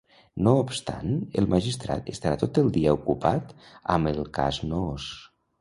No obstant, el magistrat estarà tot el dia ocupat amb el "cas Noos".